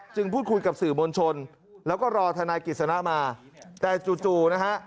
พูดคุยกับสื่อมวลชนแล้วก็รอธนายกิจสนะมาแต่จู่นะฮะ